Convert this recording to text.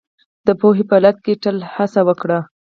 د پوهې په لټه کې تل هڅه وکړئ